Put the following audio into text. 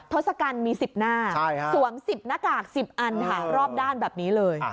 ทศกัณฐ์มี๑๐หน้าสวม๑๐หน้ากาก๑๐อันค่ะรอบด้านแบบนี้เลย